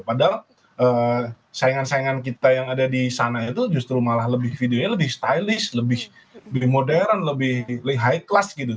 padahal saingan saingan kita yang ada di sana itu justru malah lebih videonya lebih stylist lebih modern lebih high class gitu